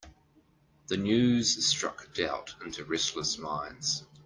The news struck doubt into restless minds.